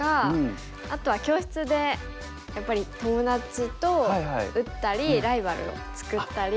あとは教室でやっぱり友達と打ったりライバルを作ったり。